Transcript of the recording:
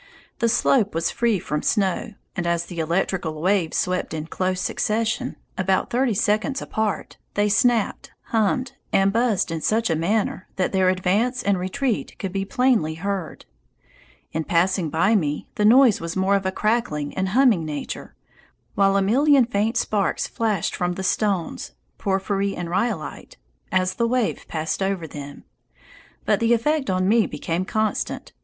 The slope was free from snow, and as the electrical waves swept in close succession, about thirty seconds apart, they snapped, hummed, and buzzed in such a manner that their advance and retreat could be plainly heard. In passing by me, the noise was more of a crackling and humming nature, while a million faint sparks flashed from the stones (porphyry and rhyolite) as the wave passed over. But the effect on me became constant.